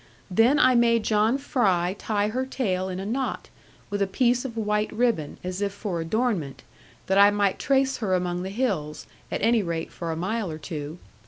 Then I made John Fry tie her tail in a knot, with a piece of white ribbon, as if for adornment, that I might trace her among the hills, at any rate for a mile or two.